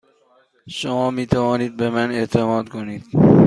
شما می توانید به من اعتماد کنید.